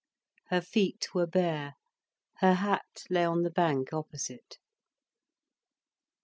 Her feet were bare, her hat lay on the bank opposite.